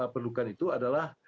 perlukan itu adalah